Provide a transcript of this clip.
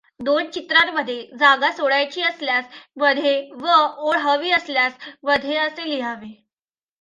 दोन चित्रांमध्ये जागा सोडायची असल्यास मध्ये व ओळ हवी असल्यास मध्ये असे लिहावे.